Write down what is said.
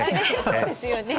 そうですよね。